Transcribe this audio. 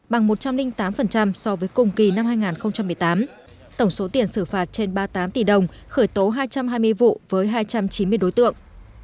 bằng một trăm linh tám so với cùng kỳ năm hai nghìn một mươi tám tổng số tiền xử phạt trên ba mươi tám tỷ đồng khởi tố hai trăm hai mươi vụ với hai trăm chín mươi đối tượng